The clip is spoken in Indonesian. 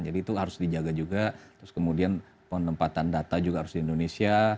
jadi itu harus dijaga juga terus kemudian penempatan data juga harus di indonesia